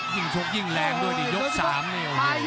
ยิ่งชกยิ่งแรงด้วยดิยก๓นี่โอเค